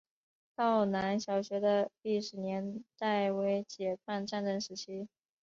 道南小学的历史年代为解放战争时期。